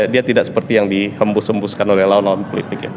dia tidak seperti yang dihembus hembuskan oleh lawan lawan politik ya